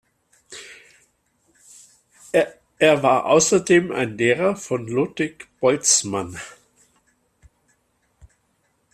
Er war außerdem ein Lehrer von Ludwig Boltzmann.